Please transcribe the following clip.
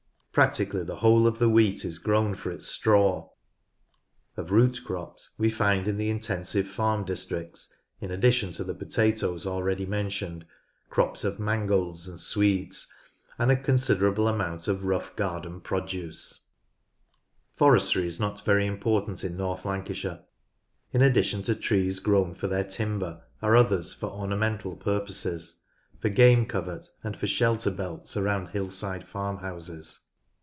Practically the whole of the wheat is grown for its straw. Of root crops, we find in the intensive farm districts, in addition to the potatoes already mentioned, crops of mangolds and swedes, and a considerable amount of rough garden produce. 94 NORTH LANCASHIRE Forestry is not very important in North Lancashire. In addition to trees grown for their timber are others for ornamental purposes, for game covert, and for shelter belts around hillside farm houses.